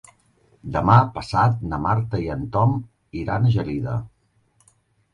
Demà passat na Marta i en Tom iran a Gelida.